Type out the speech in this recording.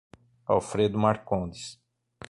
Alfredo Marcondes